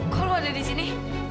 kok lu ada di sini